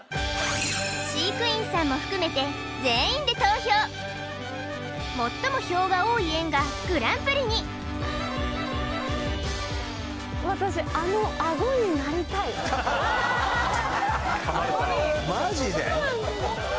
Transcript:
飼育員さんも含めて全員で投票最も票が多い園がグランプリに私マジで！？